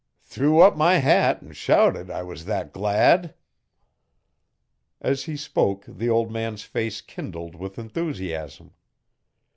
Threw up my hat an' shouted I was that glad.' As he spoke the old man's face kindled with enthusiasm.